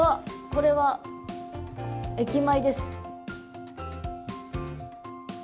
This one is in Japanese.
これは駅前です。